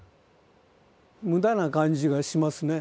無駄な感じがしますね。